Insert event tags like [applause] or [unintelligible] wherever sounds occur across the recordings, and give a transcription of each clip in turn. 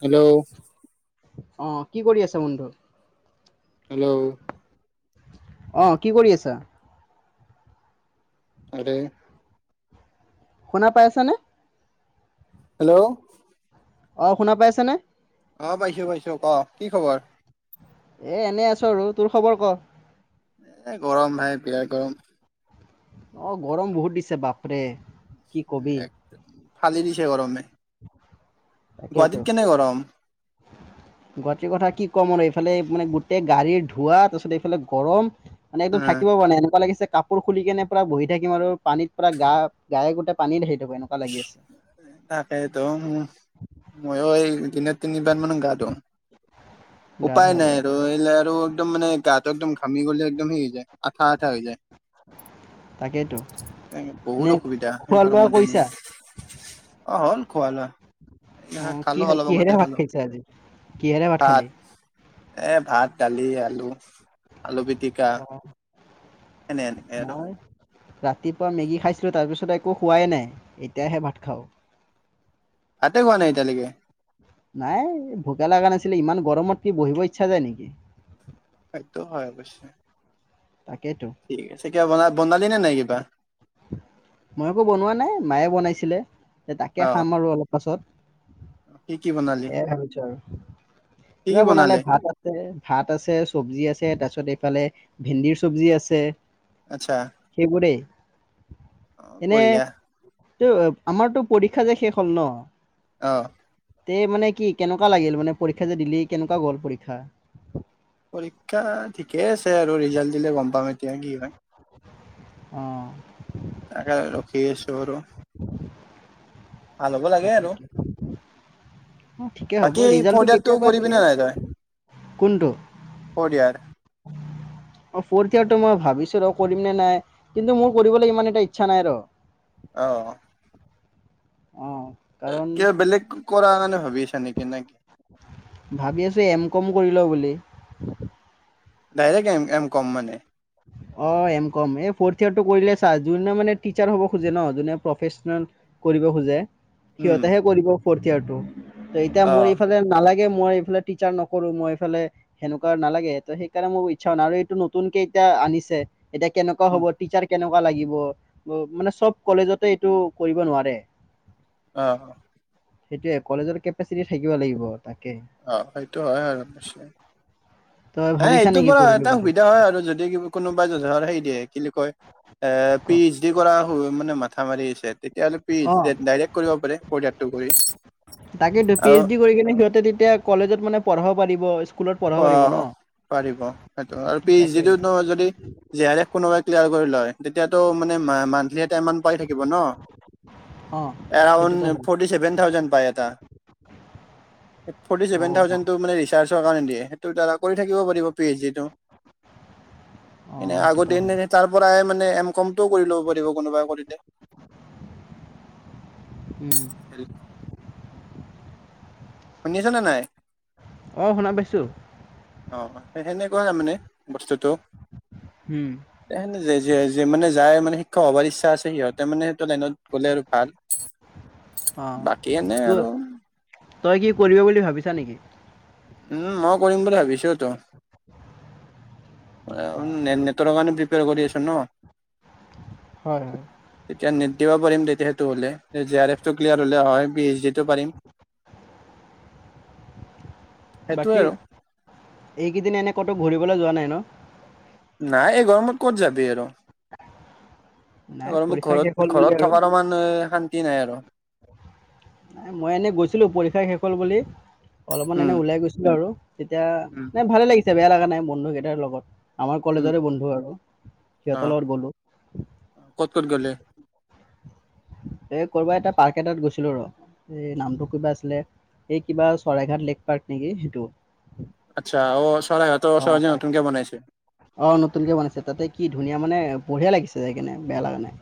Hello অ কি কৰি আছে বন্ধু হেল্ল' অ কি কৰি আছা আৰে শুনা পাইছা নে? হেল্ল' অ শুনা পাইছেনে? আহ পাইছো পাইছো ক কি খবৰ? এ এনে আছো আৰু তোৰ খবৰ ক এ গৰম ভাই বিৰাত গৰম অ গৰম বহুত দিছে বাপৰে কি কবি এ ফালি দিছে গৰমে তাকেইতো গুৱাহাটীত কেনে গৰম গুৱাহাটীৰ কথা কি ক'ম আৰু এইফালে মানে গোটেই গাড়ীৰ ধোৱা তাৰপিছত এইফালে গৰম মান একদম উম থাকিব পৰা নে এনেকুৱা লাগিছে কাপোৰ খুলি কেনে পৰা বহি থাকিম আৰু পানীত পৰা গা গায়ে গোটেই পানীতে তাকেইতো উ মইয়ো এই দিনত তিনিবাৰ মানো গা ধো গা উপায় ধোৱা নাই যেন আৰু এই আৰু একদম মানে গাটো একদম ঘামি গ'লে একদম সেই হৈ যায় আঠা আঠা হৈ যায়। তাকেইতো বহুত নে অসুবিধা সেই খোৱা লোৱা গৰমৰ দিন কৰিছা অ হ'ল খোৱা লোৱা অ এই কি খালো অলপ আগতে কিহেৰে খালো ভাত খাইছে আজি কিহেৰে ভাত খালি এ ভাত দালি, আলু, আলু পিটিকা অ এনেই এনেই আৰু মই ৰাতিপুৱা মেগী খাইছিলোঁ তাৰ পিছত একো খোৱাই নাই এতিয়াহে ভাত খাওঁ তাতে খোৱা নাই এতিয়ালৈকে নাই ভোকে লগা নাছিলে ইমান গৰমত কি বহিব ইচ্ছা যায় নেকি? সেইটো হয় অৱশ্যয়ে তাকেইতো। ঠিক আছে কিবা ব বনালি নে নাই কিবা? [inaudible] মই একো বনোৱা নাই মায়ে বনাইছিলে তাকে অ খাম আৰু অলপ পাছত কি কি বনালি সেয়াই ভাবিছো আৰু কি কি কিবা বনালে ভাত আছে ভাত আছে চব্জি আছে তাৰপিছত তাৰপিছত এইফালে ভেন্দিৰ চব্জি আছে আচ্ছা সেইবোৰেই অ বঢ়িয়া এই আমাৰতো পৰীক্ষা যে শেষ হ'ল ন অ তে মানে কি কেনেকুৱা লাগিল মানে পৰীক্ষা যে দিলি কেনেকুৱা গ'ল পৰীক্ষা? পৰীক্ষা ঠিকে আছে আৰু ৰিজাল্ট দিলে গম পাম। [unintelligible] অ তাকে ৰখি আছো আৰু ভাল হ'ব লাগে তাকে আৰু ঠিকে বাকী হ'ব ৰিজাল্টৌ কেতিয়াবা দিলে কৰিয়াৰ অ ফৰগ্ৰেড মই ভাবিছো ৰ কৰিম নে নাই কিন্তু মোৰ কৰিবলৈ ইমান এটা ইচ্ছা নাই আৰু আহ অ কাৰণ কিবা বেলেগ কৰা মানে ভাবি আছা নে কি? ভাবি আছোঁ এম কম কৰি ল বুলি ডাইৰেকট এম কম মানে [inaudible] অ এম কম এই ফৰ্থ ইয়েৰ টো কৰিলে চা যোনে মানে টিচাৰ হ'ব খোজে ন যো প্ৰফেচনেল খোজে, উম সিহঁতে হে কৰিব ফৰ্ট ইয়েৰ টো এতিয়া অ মই এইফালে নালাগে মই এইফালে টিচাৰ নকৰো মই এইফালে সেনেকোৱা নালাগে ত সেইকাৰণে মোৰ ইচ্ছাও নাই আৰু এইটো নতুনকে এয়া আনিছে এতিয়া কেনেকুৱা উম হ'ব টিচাৰ কেনেকুৱা লাগিব মানে চব কলেজতে এইটো কৰিব নোৱাৰে অ সেইটোয়ে কলেজৰ কেপাচিটি থাকিব লাগিব। তাকে আহ সেইটো হয় আৰু আচে তই হ ভাবিছা এইটো নেকি পৰা কৰিবি এটা বুলি সুবিধা হয় আৰু যদি কোনোবাই [unintelligible] হেৰি দিয়ে কি কয় এ ক পি এইচ ডি কৰা মানে ম মাথা মাৰি আছে তেতিয়াহ'লে অ পি ডাইৰেক্ট কৰিব পাৰে পৰ্যেক্টো কৰি তাকে পি এইচ আৰু ডি কৰি কিনে সিহঁতে তেতিয়া কলেজত মানে পঢ়াব পাৰিব স্কুলত পঢ়াব পাৰিব ন? অ পাৰিব সেইটো আৰু পি এইচ তাকে ডি টো যদি জে আৰ এফ কোনোবাই ক্লিয়াৰ কৰি লয়। তেতিয়াতো মানে মান্থলি এটা ইমাওন্ট পাই থাকিব ন? অ এৰাওন্ড সেইটোতো হয় ফৰ্টি ছেভেন থাউজেণ্ড পাই এটা ফৰ্টি অ ছেভেন বাহ থাউজেণ্ডটো ৰিচাৰ্চৰ কাৰণে দিয়ে? এটো দাৰা কৰি থাকিব পাৰিব পি এইচ ডি টো অ এনে আগৰ সেইটোতো হয় দিন তাৰ পৰাই মানে এ এম কমটোও কৰি ল'ব পাৰিব কোনোবা কৰিলে। উম শুনিছানে নাই আহ শুনা পাইছো অ সেই সেনেকুৱা তাৰ মানে বস্তুটো উম সেইেনে যে যে মানে যাই মানে শিক্ষক হবাৰ ইচ্ছা আছে সিহঁতে মানে সেইটো লাইনত গ'লে আৰু ভাল অ বাকী এনে ত আৰু তই কি কৰিব বুলি ভাবিছা নেকি? উম মই কৰিম বুলি ভাবিছো তো। অ নেটৰ কাৰণে প্ৰিপেয়াৰ কৰি আছো ন? হয় হয় তেতিয়া নেট দিব পাৰিম সেইটো হলে জে আৰ এফ ক্লিয়াৰ হলে হয় পি এইচ ডি টো পাৰিম। [unintelligible] সেইটোয়ে বাকী আৰু এইকেইদিন এনে ক'তো ঘূৰিবলৈ যোৱা নাই ন? নাই এ গৰমত ক'ত যাবি আৰু। নাই মোৰ পৰীক্ষা শেষ ঘৰত, হ'ল বুলি ঘৰত আৰু থকাৰ সমান শান্তি নাই আৰু। মই এনেই গৈছিলো পৰীক্ষা শেষ হ'ল বুলি। অলপমান উম এনে ওলাই গৈছিলো আৰু তেতিয়া উম নাই ভালে লাগিছে বেয়া লগা নাই বন্ধুকেইটাৰ লগত। আমাৰ উম কলেজৰে বন্ধু আৰু, অ সিহঁতৰ লগত গলো। ক'ত কত গলে? এ কৰবাত এটা পাৰ্ক এটাত গৈছিলো ৰ, এই নামটো কিবা আছিলে? এই কিবা চৰাইঘাট লেক পাৰ্ক নেকি সেইটো। আচ্ছা, অ চৰাইঘাট অ চৰাইজ নতুন কে বনাইছে। অ নতুনকে বনাইছে তাতে কি ধুনীয়া মানে বঢ়িয়া লাগিছে যাই কেনে, বেয়া লাগা নাই।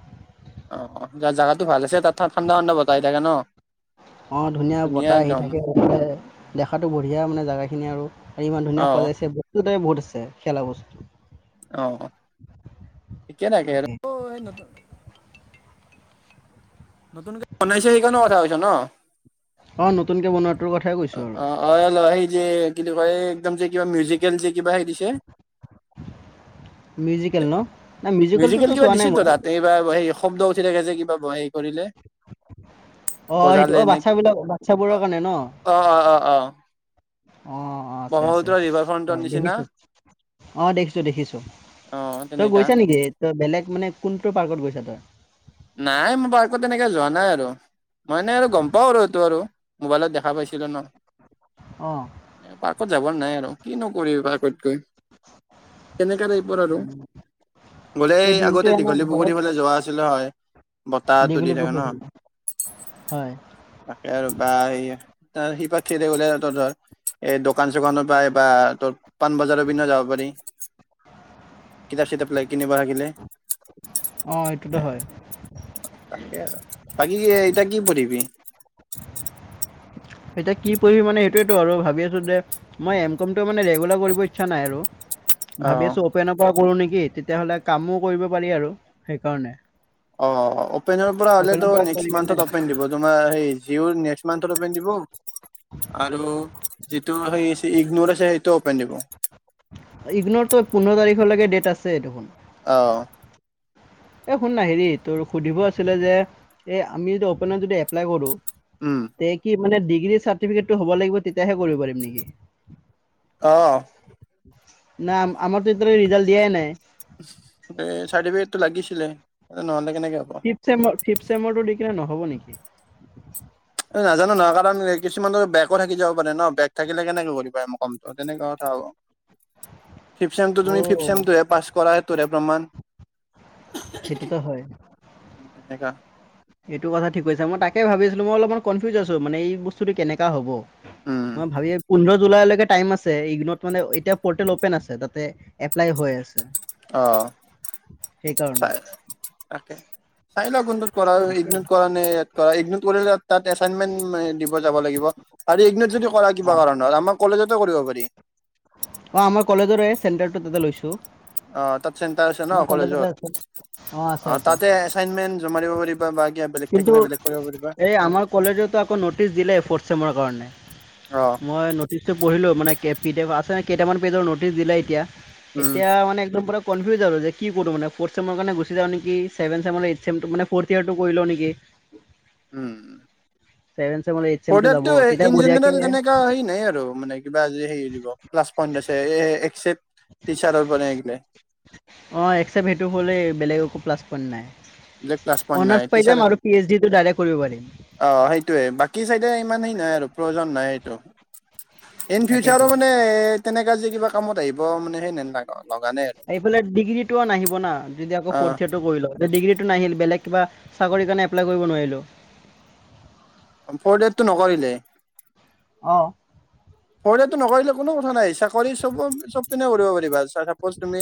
অ যাৰ জাগাতো ভাল আছে, তাত ঠাণ্ডা ঠাণ্ডা বতাহ আহি থাকে ন। [unintelligible] অঁ ধুনীয়া বতাহ আহি থাকে, দেখাটো বঢ়িয়া মানে জেগাখিনি আৰু ইমান অ ধুনীয়া সজাইছে। বস্তু তাই বহুত আছে খেলা বস্তু। অ কেনেকে তাকে আৰু নতুনকে বনাইছে সেইখন কথা কৈছ ন। অ নতুনকে বনোৱাটোৰ কথাই কৈছোঁ আৰু অ অল এই যে কিন্ত কয় একদম যে কিবা মিউজিকেল যে কিবা সেই দিছে? মিউজিকেল ন নাই মিউজিকেল মিউজিকেলটোতো কিবা চোৱা নাই দিছেটো মই তাত এইবাৰ সেই শব্দ উঠি থাকে যে কিবা হে কৰিলে। অঁ সেইটো বজালে অঁ নেক বাচ্ছাবিলাক বাচ্ছাবোৰৰ কাৰণে অ অ অ অ। অ অ আছে আছে, ব্ৰহ্মপুত্ৰ ৰিভাৰ ফ্ৰণ্টৰ নিচিনা দেখিছো আহ দেখিছো দেখিছো। অ তই তেনেকা গৈছা নেকি? তই বেলেগ মানে কোনটো পাৰ্কত গৈছা তই? নাই মোৰ পাৰ্কত এনেকে যোৱা নাই আৰু, মই এনে আৰু গম পাওঁ আৰু এইটো আৰু। মোবাইলত দেখা পাইছিলা ন, অঁ পাৰ্কত যাব নাই আৰু। কি নকৰিবি পাৰ্কত গৈ। কেনেকা টাইপৰ আৰু, তই গলেই দিনটো আগতে এনেই ঘৰত দীঘলীপুখুৰী ফালে যোৱা আছিলে হয়। বতাহটো দি দীঘলী থাকে পুখুৰী ন? ফালে হয় তাকে আৰু বা [unintelligible] এই দোকান চোকানৰ পৰা বা তোৰ পাণবজাৰৰ পিনে যাব পাৰি। কিতাপ -চিতাপ লাগি কিনিব লাগিলে। অ এইটোটো হয়। তাকে আৰু বাকি এতিয়া কি পঢ়িবি? এতিয়া কি পঢ়িবি মানে সেইটোৱেটো আৰু ভাবি আছোঁ যে, মই এম কমটো মানে ৰেগুলাৰ কৰিব ইচ্ছা নাই আৰু। অ ভাবি আছো অপেনৰ পৰা কৰো নেকি, তেতিয়া হলে কামো কৰিব পাৰি আৰু সেইকাৰণে। অ অপেনৰ পৰা অ'পেনৰ হলেটো পৰা কৰি নেক্সট কেনে মন্থত অপেন দিব তোমাৰ এই জিয়ৰ নেট নেক্সট মন্থত অপেন দিব। আৰু যিটো সেই ইগনৰ আছে সেইটো অপেন দিব। ইগনৰ ত' পোন্ধৰ তাৰিখৰলৈকে ডেট আছে দেখোন। অহ। এ শুন না হেৰি তোৰ সুধিব আছিলে যে, এই আমি যদি অপেনত যদি এপ্লাই কৰো উম তে কি মানে ডিগ্ৰী চাৰ্টিফিকেটটো হ'ব লাগিব তেতিয়াহে কৰিব পাৰিম নেকি? অ না আমাৰতো এতিয়ালৈকে ৰিজাল্ট দিয়াই নাই। এ চাৰ্টিফিকেটটো লাগিছিলে নহলে কেনেকে হ'ব ফিফ্ট চেমৰ, ফিফ্ট চেমৰটো দি কিনে নহ'ব নেকি? এ নাজানো নহয় কাৰণ কিছুমানৰ বেগো থাকি যাব পাৰে ন, বেগ থাকিলে কেনেকে কৰিব পাৰে এম কমটো তেনেকুৱা কথা হ'ব। [inaudible] ফিফ্ট চেমটো অ' তুমি ফিফ্ট চেমটোহে পাছ কৰা সেইতোৰহে প্ৰমাণ। সেইটোতো হয়। কা এইটো কথা ঠিক কৈছা। মই তাকে ভাবি আছিলো মই অলপমান কনফিউজ আছো মানে এই বস্তুটো কেনেকা হ'ব। উম মই ভাবি এ পোন্ধৰ জুলাই লৈকে টাইম আছে, এইকেইদিনত মানে এতিয়া পৰ্টেলত অপেন আছে তাতে এপ্লাই হৈ আছে। অ সেইকাৰণে। চাই তাকে চাই লোৱা কোনটো কৰা তাকে ইগনিত কৰা নে ইয়াত কৰা ইগনিত কৰিলে তাত এছাইনমেণ্ট দিব যাব লাগিব। আৰু ইগনি যদি কৰা কিবা অ' কাৰণত আমাৰ কলেজতে কৰিব পাৰি অ আমাৰ কলেজৰে চেণ্টাৰটো তাতে লৈছো। অ তাত চেণ্টাৰ আছে ন কলেজত আছে আছে অ আছে তাতে এছাইনমেণ্ট জমা দিব পাৰিবা। বা কিবা বেলেগ কিন্তু থাকিলে বেলেগ কৰিব পাৰিবা এই আমাৰ কলেজতো আকৌ নটিচ দিলে ফৰ্থ চেমৰ কাৰণে। অ মই নটিচটো পঢ়িলো মানে কি পিডিএফ আছে কেইটামান পেজৰ নটিচ দিলে এতিয়া। উম এতিয়া মানে একদম পোৰা কনফিউজ আৰু যে কি কৰো মানে ফৰ্থ চেমৰ কাৰণ গুচি যাওঁ নেকি, ছেভেন চেমলে এইট চেমটো মানে ফৰ্থ ইয়াৰটো কৰি লওঁ নেকি। [inaudible] উম। ছেভেন চেমৰ এইট চেমটো যাব অৰ্ডাৰটো তেতিয়া ইন বঢ়িয়াকে জেনেৰেল যেনেকা হেনেই আৰু মানে কিবা মানে হেৰি দিব প্লাছ পইণ্ট আছে এ এক্স অ এক্সচেপত সেইটো হ'লেই বেলেগ একো প্লাছ পইন্ট নাই। বেলেগ প্লাছ পইণ্ট নাই, অনাৰ্ছ পাই যাম টিচাৰ আৰু পি এইচ ডিটো ডাইৰেক্ট কৰিব পাৰিম অ সেইটোৱে বাকি চাইডে ইমান সেই নাই আৰু প্ৰয়োজন নাই এইটো। ইনফিউচাৰো তাকেতো মানে এ তেনেকা যে কিবা কামত আহিব মানে, লগা নাই আৰু এইফালে ডিগ্ৰী টো নাহিব না যদি আকৌ অ ফৰ্থ ইয়াৰটো বহি লয় ডিগ্ৰী টো নাহিল বেলেগ কিবা চাকৰি কাৰণে এপ্লাই কৰিব নোৱাৰিলো। ফৰ ইয়েৰ তো নকৰিলে। অঁ। টো নকৰিলে কোনো কথা নাই। চাকৰি চব চব পিনে কৰিব পাৰিবা চাপ'জ তুমি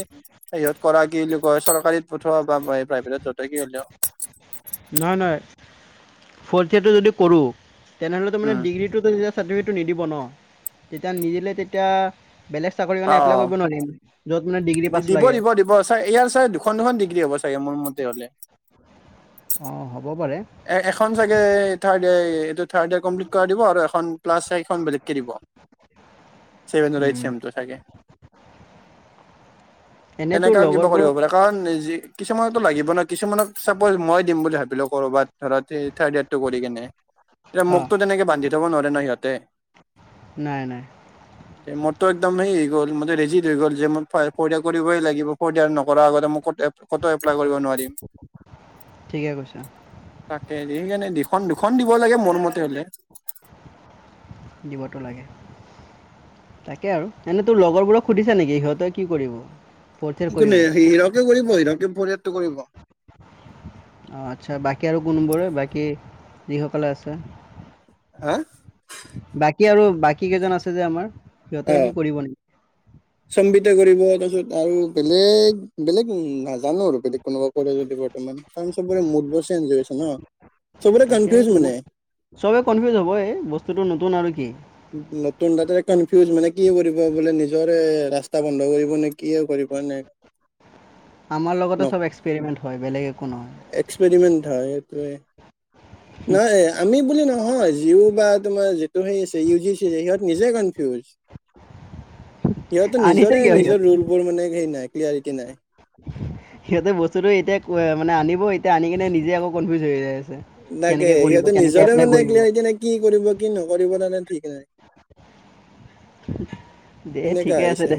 সিহত কৰা কি বুলি কয় চ চীত পঠোৱা বা মই প্ৰাইভেটত য'তে কি উলাও নহয়, নহয় ফথ ইয়াৰটো যদি কৰো তেনেহলে মানে উম ডিগ্ৰীটো চাৰ্টিফিকেটটো নিদিব ন, তেতিয়া নিদিলে তেতিয়া বেলেগ চাকৰি কাৰণে এপ্লাই অ কৰিব নোৱাৰিম। য'ত, মানে ডিগ্ৰী পাছ দিব, লাগে দিব দিব চ ইয়াৰ চাগ দুখন, দুখন ডিগ্ৰী হ'ব চাগে মোৰ মতে হলে। অ' হ'ব পাৰে এ, এখন চাগে তাৰ থাৰ্ড ইয়াৰ কমপ্লিট কৰা দিব আৰু এখন প্লাছ চাৰিখন বেলেগকৈ দিব। ছেভেন আৰু এইট উম। চমটো থাকে। এনে তোৰ তেনেককাে কিবা কৰিব লগৰবোৰক পাৰে। কাৰণ, কিছুমানতো লাগিব ন কিছুমান ম চাপজ মই দিম বুলি ভাবিলো কৰবাত ধৰ স থাৰ্ড ইয়াৰটো কৰি কেনে এয়া হা মোকতো তেনেকে বান্ধি থব নোৱাৰে ন সিহঁতে। নাই নাই মোৰতটো একদম হেই গ'ল মোৰ ৰেজি হৈ গ'ল যে মোৰ ফৰ্থ ইয়াৰ কৰিবই লাগিব। ফৰ্থ ইয়াৰ নকৰা আগতে মই ক'ত এপ্লাই কৰিব নোৱাৰিম। ঠিকে কৈছা তাকে সেইকাৰণে দুখন, দুখন দিব লাগে মোৰ মতে। কলে দিৱটো লাগে। তাকে আৰু এনেই তোৰ লগৰবোৰক সুধিছা নেকি সিহঁতে কি কৰিব? ফ'ৰ্থ ইয়েৰ কৰিব? কোনে হিৰকে কৰিব হিৰকে ফৰ্থ ইয়েৰ তো কৰিব। অঁ, আচ্ছা বাকী আৰু কোনবোৰে বাকী যিসকলে আছে? হা। বাকী আৰু বাকী কেইজন আছে যে আমাৰ সিহঁতে কি কৰিব নেকি? সংগীতা কৰিব তাৰপিছত আৰু বেলেগ বেলেগ নাজানো আৰু বেলেগ। কোনোবা কৰে যদি বৰ্তমান চবৰে মুডবোৰ চেঞ্জ হৈছে ন? চবৰে তাকে কনফিউজ মানে মোৰ চবে কনফিউজ হ'ব এই বস্তুটো নতুন আৰু কি? নতুন, ততে কনফিউজ মানে কি কৰিব বোলে নিজৰে ৰাস্তা বন্ধ কৰিব নে কি কৰিব নে। [unintelligible] আমাৰ লগতে চব এক্সপেৰিমেণ্ট হয়, বেলেগ একো নহয়। নাই আমি বুলি নহয়। জিঅ বা তোমাৰ যিটো সেই সিহঁতে নিজে কনফিউজ। সিহঁতো আনিছে নিজৰে কিয় নিজৰ সিহঁতে ৰোলবোৰ মানে হেৰি নাই ক্লিয়াৰিটি নাই। সিহঁতে বস্তুটো এতিয়া মানে আনিব এতিয়া আনি কিনে নিজে আকৌ কনফিউজ হৈ যায়। তাকে সিহঁতে নিজৰে মানে ক্লিয়াৰাটি নাই কি কৰিব কি নকৰি তানে ঠিক উম। দেই ঠিকে আছে দে।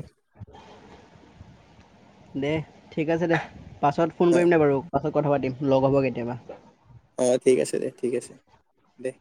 দে, ঠিক আছে দে। পাছত ফোন অ কৰিম দে বাৰু পাছত। কথা পাতিম লগ হ'ব কেতিয়াবা। অ, ঠিক আছে দে ঠিক আছে দে।